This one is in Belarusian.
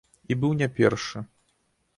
І быў не першы.